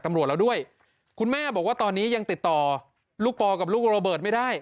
ตำรวจแล้วด้วยคุณแม่บอกว่าตอนนี้ยังติดต่อลูกปอกับลูกโรเบิร์ตไม่ได้